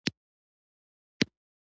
الماري د دوړو څخه سامان ساتي